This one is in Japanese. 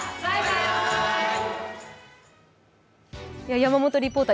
山本リポーター